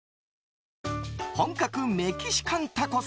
本格メキシカンタコス。